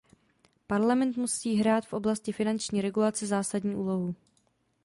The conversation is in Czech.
Parlament musí hrát v oblasti finanční regulace zásadní úlohu.